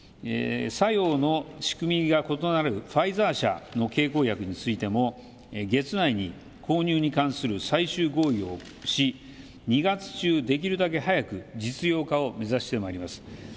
作用の仕組みが異なるファイザー社の経口薬についても月内に購入に関する最終合意をし２月中できるだけ早く実用化を目指してまいります。